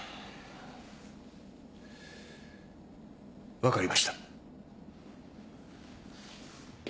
分かりました。